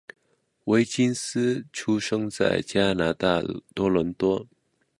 威金斯出生在加拿大多伦多。